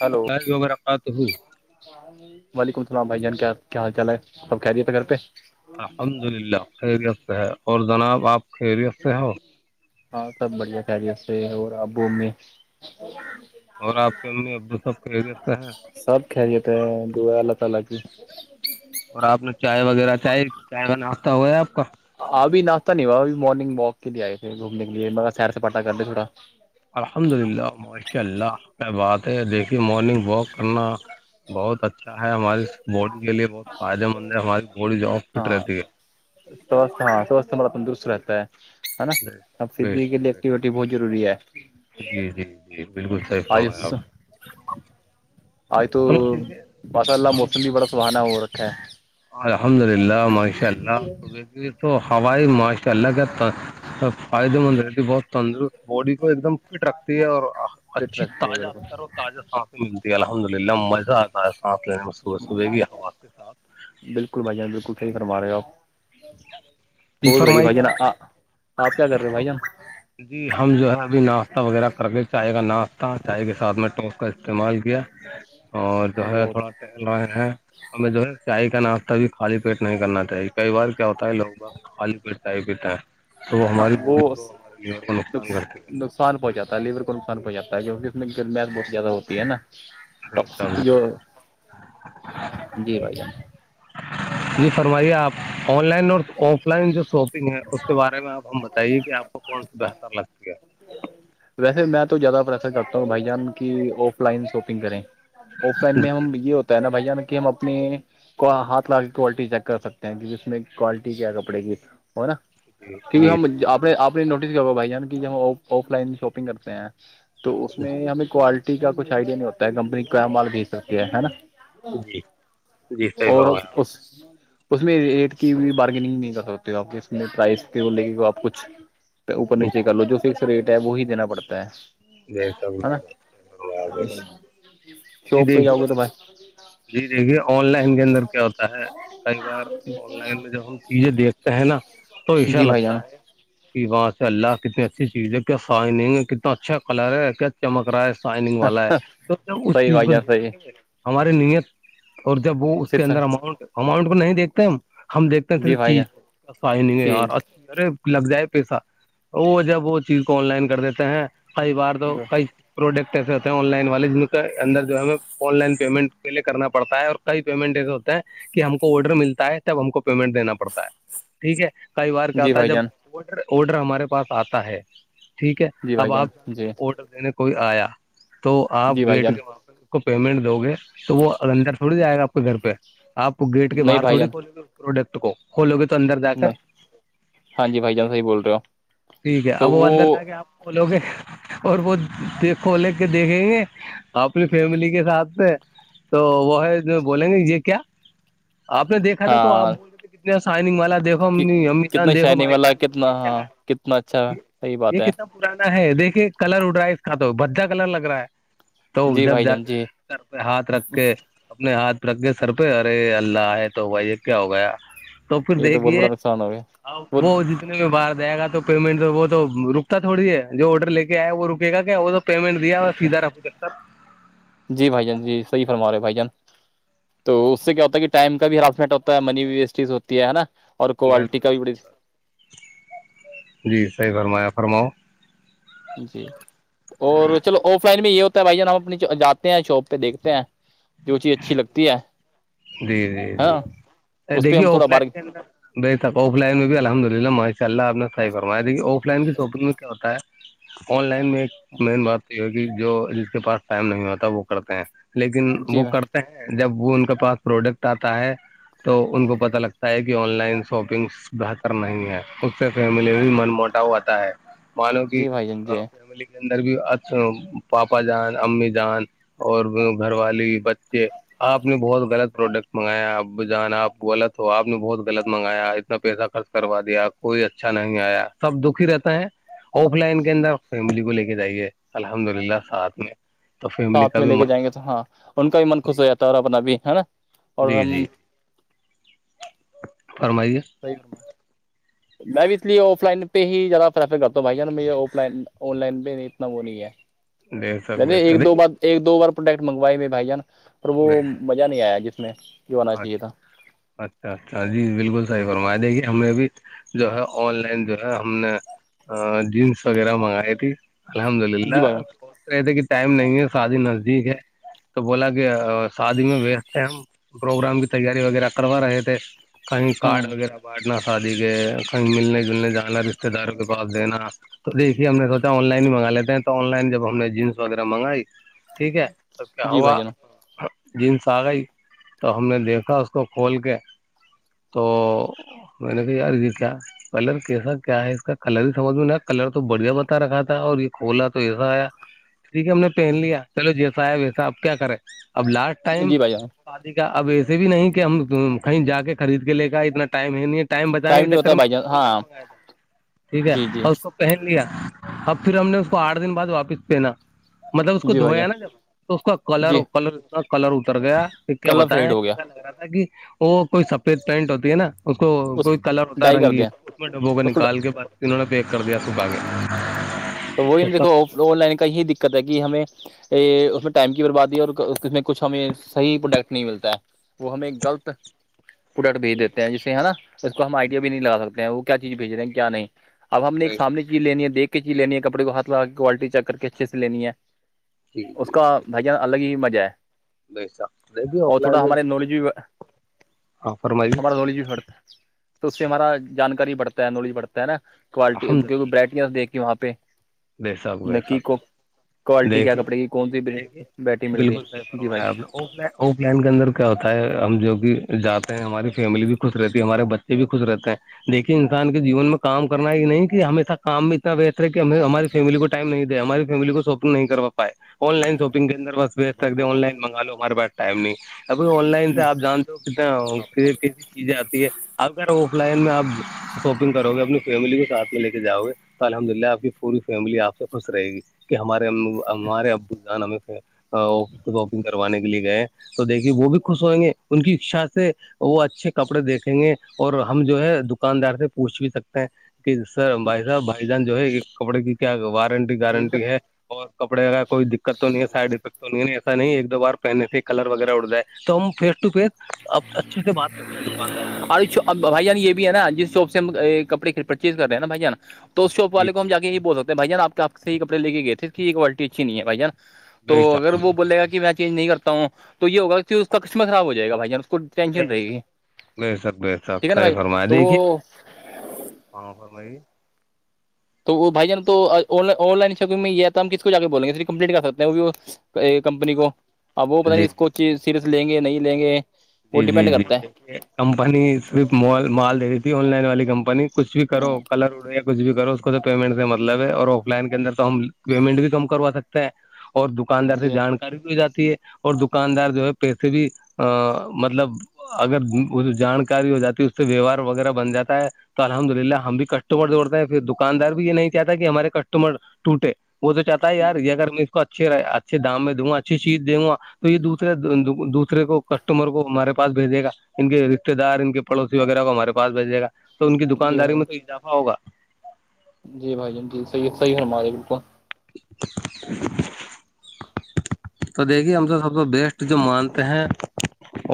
Hello خیر و برکاتا ہو وعلیکم السلام بھائی جان کیا کیا حال چال ہے سب خیریت ہے گھر پہ الحمد للہ خیریت سے ہے اور جناب آپ خیریت سے ہو ہاں سب بڑھیا خیری سے اور ابو میں- اور آپ کے امی ابو سب کہ دیتے ہیں- سب خیریت ہے دعا اللہ تعالی کی- اور آپ نے چائے وغیرہ چائے- چائے بناتا ہوا ہے آپ کا- ابھیاشہ نہیں ہوا ابھی مارننگ واک کے لیے آئے تھے گھومنے کےےگر سیر سے پٹا کر د تھوڑا- الحمد للہ ماشاء اللہ آپ کیا بات ہے دیکھیے مارننگ واک کرنا- بہت اچھا ہے ہماری باڈی کے لیے بہت فائدے مند ہے ہماری باڈی جو فٹ رہتی ہے- سو ہاں سواستہ ما پ درست رہتا ہے- ہے نا اب بے فزی کے شک بے شک لیے بے ایکٹیویٹی شک، بہت ضروری ہے- جی- جی- جی بالکل صحیح آج فرمایا آپ- آج تو چلو دیکھیے باسا اللہ ہم موسم بھی بڑا سہانا ہو رکھا ہے- الحمد للہ ماشاء اللہ دیکھیے تو ہوائی ماشاء اللہ کیا- سف ہاں فائدے مند رہتی ہے بہت تندرست باڈی کو ایک دم فٹ رکھتی ہے اور اخ- فٹ اچھی رکھتی ہے تازہ بالکل ترو تازہ سانس ملتی ہے الحمد للہ مزہ آتا ہے سانس لینے میں صبح -صبح کی- صبح کے ساتھ بالکل بھائی جان بالکل صحیح فرما رہے ہو اپ جی ہو رہی ہے بھائی فرمائیے جان آپ- آپ کیا کر رہے ہو بھائی جان- جی ہم جو ہے ابھی ناشتہ وغیرہ کر کے چائے کا ناشتہ چائے کے ساتھ میں ٹوس کا استعمال کیا- اور جو ہے وہ تھوڑا سے- چل رہے ہیں ہمیں جو ہے چائے کا ناشتہ بھی خالی پیٹ نہیں کرنا چاہیے کئی بار کیا ہوتا ہے لوگ باگ- خالی پیٹ چائے پی جائے- ہاں وہ اس دس- نقصان دس کرتی ہے نقصان پوہ چاتا ہے لیور کو نقصان پہنچاتا ہے کیونکہ اسمیں جمجیںم بہت زیادہ ہوتی ہے نا- جو جی بھائی جان- جی فرمائیے آپ آن لائن اور آف لائن جو شاپ- ہے اس کے بارے میں آپ ہم بتائیے کہ آپ کون سا بہتر لگتی ہے- ویسے میں تو زیادہ پریفر کرتا ہوں بھائی جان کی آف لائن شاپنگ کریں- آف لائن میں جی ہم یہ ہوتا ہے نا بھائی جان کہ ہم اپنے- کو ہاتھ لگاکر کوالٹی چیک کر سکتے ہیں کہ جس میں کوالٹی کیا ہے کپڑے کی- اور حا کیونکہ جی جی ہم جی آپ نے آپ نے نوٹس کیا ہو گا بھائی جان کی جب ہم آف لائن- شاپنگ کرتے ہیں تو اس میں ہمیں کوالٹی- کا کچھ آئیڈیا نہیں ہوتا ہے کمپنی کا مال بھی سکتے ہے نا- جی جی صحیح اور فرمایا آپ اس- اس میں ایٹ کی بارگینگ نہیں کر سکتے ہو آپ ایکپرسائز کے بو لےکے آپ کچھ- اوپر نے۔ نیچے کر لو جو فکس ریٹ ہے وہ ہی دینا پڑتا ہے، جی جیسا نا- جیسا جی شوپ پہ جاؤ دیکھیے گے تمار- جی دیکھیے آن لائن کے اندر کیا ہوتا ہے کئی بار- آن لائن میں جب ہم چیزیں دیکھتے ہیں نا تو ایسا جی بھائی جان لگتا ہے- کہ وہاں سے اللہ کتنی اچھی چیز ہے کیا سائننگ ہے کتنا اچھا کلر ہے کیا چمک رہا ہے- سائننگ والا ہے تو اس صحیح چیز بھائی کو جان دیکھ صحیح کے- ہماری نییت اور جب وہ اس پھر کے سر اندر اماؤنٹ اماؤنٹ کو نہیں دیکھتے ہم- ہم دیکھتے ہیں جی صرف بھائی چیز جان کیا سائنگ ہے یار ٹھیک اج- ارے لگ جائے پیسہ وہ جب وہ چیز کو آن لائن کر دیتے ہیں- کئی بار تو کئی پروڈکٹ ایسے ہوتے ہیں آن لائن والے جن کے اندر جو ہے آن لائن پیمنٹ کے- کرنا پڑتا ہے اور کئی پیمنٹ ایسے ہوتے ہیں کہ ہم کو آڈر ملتا ہے تب ہم کو پیمنٹ دینا پڑتا ہے- ٹھیک ہے کئی بار کیا جی ہوتا ہے بھائی جب جان آڈر آڈر ہمارے پاس آتا ہے ٹھیک ہے جی بھائی اب جان آپ- جی آڈر دینے کوئی آیا تو آپ جی بھائی گیٹ جان کے باہر- کو پیمنٹ دو گے تو وہ اندر تھوڑی جائے گا آپ کے گھر پہ آپ گیٹ کے نہیں باہر بھائی تھوڑی جان کھول گے- پروڈکٹ کو کھولو گے تو اندر جا کر نہیں ہاں ٹھیک جی بھائی جان صحیح بول رہے ہو ٹھیک ہے اب وہ اندر جائینگی آپ کھولو گے- اور وہ دیکھ لے کے دیکھیں گے اپنی فیملی کے ساتھ تو وہ ہے بولیں گے یہ کیا آپ نے دیکھا تھا تو آپ ہاں کتنے سائنگ والا دیکہو امی امی کتنا جان دیکھو شائننگ بھائی والا جان کتنا یہ کیا ہاں کتنا اچھا ہے صحیح بات یہ ہے کتنا پرانا ہے دیکھیے کلر اڑ رہا ہے اس کا تو بھڈا کلر لگ رہا ہے تو جی جب بھائی جا جان کے جی سر پہ ہاتھ رکھ کے اپنے ہاتھ رکھ کے سر پہ ارے اللہ ہے تو بھائی یہ کیا ہو گیا تو پھر یہ بہت بڑا دیکھیے نقصان ہو گیا اب وہ جن کا باہر جائے گا تو پیمنٹ تو وہ تو رکتا تھوڑی ہے جو آرڈر لے کے ایا وہ رکے گا کیا وہ تو پیمنٹ دیا اور سیدھا رفو چک کر جی بھائی جان جی صحیح فرما رہے بھائی جان تو اس سے کیا ہوتا ہے کہ ٹائم کا بھی ہراسمنٹ ہوتا ہے منی بھی ویسٹیز ہوتی ہے نا اور کوالٹی سب کا بھی بڑی جی صحیح فرمایا فرماؤ جی اور چلو آف لائن بھی یہ ہوتا ہے بھائی جان ہم اپنی جاتے ہیں شاپ پہ دیکھتے ہیں جو چیز اچھی لگتی ہے جی جی جی ہاں اس پہ دیکھیے ہم تھوڑا آف بار لائن کے انر بے شک آف لائن میں بھی الحمد للہ ماشاء اللہ آپ نے صح فرایا دیکھی آف لائن کی شاپنگ میں کیا ہوتا ہے آن لائن میں ایک مین بات تو یہ ہے کہ جو جس کے پاس ٹائم نہیں ہوتا وہ کرتے ہیں لیکن جی وہ بھائی کرتے ہیں جب وہ ان کے پاس پروڈکٹ آتا ہے تو ان کو پتہ لگتا ہے کہ آن لائن شاپنگس بہتر نہیں ہے اس سے فیملی بھی من موٹا ہوتا ہے مانو کہ جی بھائی جان جی فیملی کے اندر بھی پاپا جان امی جان اور گھر والی بچے آپ نے بہت غلط پروڈکٹ منگایا اپ ب جان آپ غلط ہو آپ نے بہتغلط منگایا اتنا پیسہ خرچ کروا دیا آپ کوئی اچھا نہیں آیا سب دکھ ہی رہتا ہے آف لائن کے اندر فیملی کو لے کے جائیے الحمد للہ ساتھ میں تو فیملی ساتھ کا میں بھی لے م کے جائیں گے ہاں ان کا بھی من خوش ہو جاتا ہے اور اپنا بھی ہے نا اور جی ہم جی فرمائیے بئیورم میں بھی استے آف لائن پہ ہی زیادہ پرریفر کرتا ہوں بھائی مجھے آف لائن آن لائن پہ اتنا وہ نہیں ہے بے نہیں شک نہیں بے شک ایک دو دیکھیے بار ایک دو بار پروڈکٹ منگوائے مے بھائی ج نا اور وہ بے شک نہیں آیا جس میں جو آنا چاہیے تھا اچھا اچھا اچھا جی بالکل صحیح فرمائے دے گی ہم نے بھی جو ہے آن لائن جو ہے ہم نے جینس وغیرہ منگائی تھی الحمد جی للہ بھائی جان سوچ رہے تھے کہ ٹائم نہیں ہے شادی نزدیک ہے تو بولا کہ شادی میں بیس تھے ہم پروگرام کی تیاری وغیرہ کروا رہے تھے کہیں ہ کارڈ وغیرہ بانٹنا شادی کے کہیں ملنے جلنے جانا رشتے داروں کے پاس دینا تو دیکھیے ہم نے سوچا آن لائن ہی منگا لیتے ہیں تو آن لائن جب ہم نے جینس وغیرہ منگائی ٹھیک ہے تب کیا جی ہوا بھائی جان جینس آ گئی تو ہم نے دیکھا اس کو کھول کے تو میں نے کہ یار گی تھا کلر کیسا کیا ہے اس کا کلر ہی سمجھ میں نا کلر تو بڑھیا بتا رکھا تھا اور یہ کھولا تو ایسا آیا ٹھیک ہے ہم نے پہن لیا چلو جیسا آیا ویسا اب کیا کریں اب لاسٹ ٹائم جی بھائی جان شادی اب ایسے بھی نہیں کہ ہم کہیں جا کے خرید کے لے کےئے اتنا ٹائم ہے نہیں ٹائم بچانے کے نہیں چکر ہوتا میں بھائی ت نے جان وہ ڈر ہاں منگایا تھا ٹھیک ہے جی جی اور اس کو پہن لیا اب پھر ہم نے اس کو آٹھ دن بعد واپس پہنا مطلب اس کو جی بھائی جان دھویا نا جب تو اس کا کلر جی کلر کا کلر اتر گیا پھر کیا کلر بتیں فیڈ ہو گیا لگ رہا تھا کہ وہ کوئی سفید پینٹ ہوتی ہے نا اس اس کوئی کلر ہوتا ہے ڈائی کر رنگین دیں اس میں ڈبوں کا اس کو نکال کے بس نوں نے پےیک کر دیا سبح کے تو وہی نا دیکو آن لائن کا یہی دقت ہے کہ ہمیں یہ اس میں ٹائم کی بربادی ہے اور اس میں کچھ ہمیں صحیح پروڈکٹ نہیں ملتا ہے وہ ہمیں غلط [unintelligible] پروڈکٹ بھیج دیتے ہیں جسے ہے نا اس کو ہم آئی یا کے بھی نہیں لگا سکتے ہیں وہ کیا چیز بھیج رہے ہیں کیا نہیں اب ہم نے ایک سامنے چیز لینی ہے دیکھ کے چیز لینی ہے کپڑے کو ہاتھ لگا کے کوالٹی چیک کر کے اچھے سے لینی ہے جی جی اس جی کا بھیاان الگ ہی مزہ ہے دیکھیے آف اور لائن تھوڑا میں ہمارے جو ہے نالج بھی ہاں فرمائیے ہمار گولی ج بھی ہڑتا تو اس سے ہمارا جانکاری بڑھتا ہے نالج بڑھتا ہے نا کوالٹی کیکہ ورائٹیاں دھ کے وہاں پہ بیساک نکی ویسخ [unintelligible] کو کوالٹی کیا دیکھیے کپڑے کی کون سی دیکے بیٹی مل رہی ہے بالکل صحیح جی فرمایا بھائی آپ نےو ف لن کے اندر کیا ہوتا ہے ہم جو بھی جاتے ہیں ہماری فیملی بھی خوش رہتی ہے ہمارے بچ یہ بھی خوش رہتا ہے دیکھیے انسان کے جیون میں کام کرنا ہی نہیں کہ ہمیشہ کام میں اتنا وتر ہے کہ ہم ہماری فیملی کو ٹم نہیں دے ہماری فیملی کو شاپنگ نہیں کر پائے آن لائن شاپنگ کے انر بس بھیچ ستے ہیں آن لائن مگا لو ہمارےاسٹائم نہیں ا آن لائن سے آپ جانتے ہو کتنا کیسی چیزیں آتی ہے آپ کیا آف لائن میں آپ شاپنگ کرو گے اپنی فیملی کو ساتھ میں لے کے جاؤ گے تو الحمد للہ آپ کی پوری فیملی آپ سے خوش رہے گی کہ ہمارے ہمارے ابو جان ہم وانے کے لیے گئے تو دیکے وہ بھی خوش ہوئیں گے ان کی اچھا سے وہ اچھے کپڑے دیکھیں گے اور ہم جو ہے دکاندار سے پوچھ بھی سکتے کہ سر بھائی صاحب بھائی جان جو ہے کپڑے کی کیا وارنٹی گارنٹی ہے اور کپڑے کا کوئی دقت تو نہیں ہے سائڈ افیکٹ تو نہیں ن ایسا نہیں ایک دو بار پہننے سے ہی کلر وغیرہ اٹ جائے تو ہم فیس ٹو فیس اب ج [unintelligible] اچھے سےات کرتے ہیں دکاندار سے اچھے سے بات کر اب بھائی جان یہ بھی ہے نا جس شاپ سے ہم کپڑے پرچیز کر رہے ہیں نا بھائی جانا تو اس شاپ جی والے کو ہم جی جا کے ہی بول ستے بھائی ج آپ سے ہی کپڑے کے گئے تھے کوالٹی اچھی نہیں ہے جی بھائی ج ن تو بے اگر شک وہ بولےا کہ میں چینج نہیں کرتا ہوں تو یہ ہوگا کہ اس کا قسمت خراب ہو جائے گ بھائی جان اس کو بہ ٹینشن رہے گی سر بہ سر بہ سر ٹھیک ہے نا صحیح بھائی فرمائے تو دیکھیے وہ ہاں ف بھائی [unintelligible] تو وہ بھائی جان تو آن لائن شاپنگ میں [unintelligible] ہم کس کو جا کے بولیں گے اس کمپلیٹ کر سکتے ہیں وہ کمپنی کو اپ وہ پتا نہیں جی اس کو جی کہ صرف لیں گے نہیں لیں گے وہ جی جی ڈیپینڈ جی کرتا ہے کمپنی صرف مال مال دے رہی تھی آن لائن والی کمپنی کچھ بھی کرو ہ کلر اڑے کچھ بھی کرو اس کو تو پیمنٹ سے مطلب ہے اور آف لائن کے اندر تو ہم پیمنٹ بھی کم کروا سکتے ہیں اور دکاندار سے جی جانکاری بھی ہو جاتی ہے اور دکاندار جو ہے پیسے بھی ا مطلب اگر جانکاری ہو جاتی ہے اس سے ویوہار وغیرہ بن جاتا ہے تو الحمد للہ ہم بھی کسٹمر جوڑتے ہیں پھر دکاندار بھی یہ نہیں چاہتا کہ ہمارے کسٹمر ٹوٹے وہ تو چاہتا ہے یار یہ اگر میں اچھے رہ اچھے دام میں دوں گا اچھی چیز د گا تو یہ دورے دوسے کو کسٹمر کو ہمارے پس بھیجے گ ان کے رشتے دار ان کے پڑوسی وغیرہ کو ہمارے پس بھیجے گا تو ان کی جی دکانداری بھائی میں تو اضافہ ہوگا جی بھائی جان جی صحیح صحیح ہممارے بالکل [inaudible] تو دیکھیے ہم تو سب سے بیسٹ جو مانتے ہیں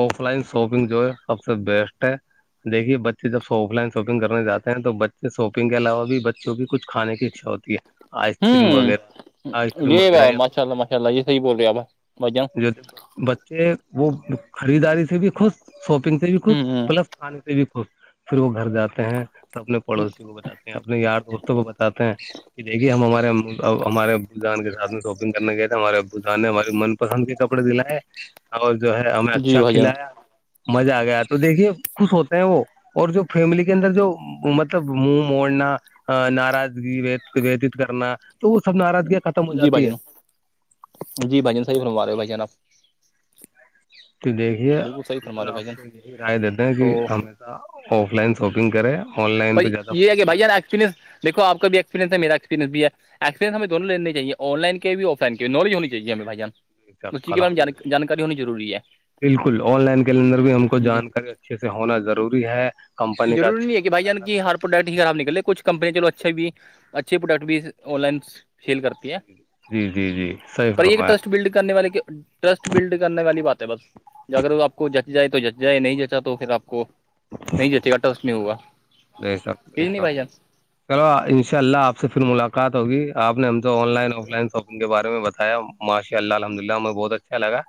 آف لائن شاپنگ جو ہے سب سے بیسٹ ہے دیکھیے بچے جب آف لائن شاپنگ کرنے جاتے ہیں تو بچے شاپنگ کے علاوہ بھی بچوں کی کچھانے کی اچھا ہوتی ہے ا [unintelligible] کرم ہوں وغیرہ آئس کرم یہ وغیرہ با یا ماشاء اللہ ماشاء اللہ یہ صحیح بول رہے آپ بھائی جان جو بچے وہ خریداری سے بھی خوش شاپنگ سے بھی خوش ہوں ہ پلس کھانے سے بھی خوش پھر وہ گھر جاتے ہیں تو اپنے پڑوسی کو ب جاتے اپنے یار دوستوں کو بتاتے ہیں کہ دیکھیے ہمارے اب ہمارے بل جان کے ساتھ شاپنگ کرنے گئے تھے ہمارے بلجان نے ہماری من پسند کے کپڑے دلائے ہیں اور جو ہے ہمیں جی اچھا بھائی جان کھلایا مزہ آ گیا تو دیکھیے خوش ہوتے ہیں وہ اور جو فیملی کے اندر جو مطلب منہ موڑنا ناراضگی وتیت کرنا تو وہ سب ناراضگیاں ختم ہو جی جاتی بھائی ہے جان جی بھائی جان صحی فرما رہے ہو بھائی جان آپ تو دیکھیے بالکل صحیح ہم فرما تو رہے آپ بھائی جان سے یہی رائے دیتے ہیں کہ تو ہمیں آف لائن شاپنگ کرے آن لائن پہ زیادہ فو کس پنسیک آ کا بھی ایکسپئنس ہےیرا ایکسپرینس بھی ہے [unintelligible] ایکسپرینس ہمیں دونوں لینے چاہیے آن لن بھی آف لائن کے نالج ہو چاہیے ہمیں بھائی جان کریں اس چیز کے بارے الحمد میں للہ جانکاری ہونی ضروری ہے بالکل آن لائن کے اندر بھی ہم کو جی جانکاری اچھے سے ہونا ضروری ہے کمپنی کا اچھے سے ن کریں کی [unintelligible] ہر پروڈکٹ ہی خراب نکلےچھ کمپیاں چلو اچھے بھی اچھے پروڈکٹ بھی آن لائن سیل کرتی ہے جی جی جی صحیح پر یہ فرمایا ٹرسٹ بلڈ کرنے والے کے ٹرسٹ بلڈ کرنے والی بات ہے بس اگر آپ کو جچ جائے تو جچ جائے نہیں جچا تو پھر آپ کو نہیں جتے کاٹا [unintelligible] اس نہیں ہوا نہیں سب یہ سب چلو ان شاء اللہ آپ سے پھر ملاقات ہوگی آپ نے ہم online offline shopping کے بارے میں بتایا ماشا اللہ الحمد للہ ہمیں بہت اچھا لگا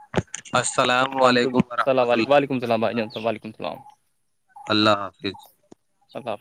السلام علیکم ورحمۃ اللہ کم سلام بھائی جان وبرکاتہ ولیکم‌سلام اللہ حافظ اللہ